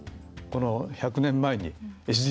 この１００年前に。